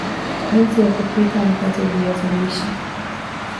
jinsi ya kupika mkate viazi lishe